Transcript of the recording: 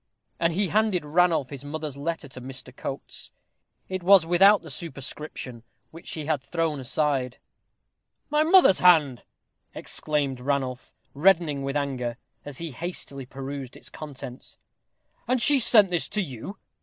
And he handed Ranulph his mother's letter to Mr. Coates. It was without the superscription, which he had thrown aside. "My mother's hand!" exclaimed Ranulph, reddening with anger, as he hastily perused its contents. "And she sent this to you?